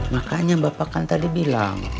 makanya bapak kan tadi bilang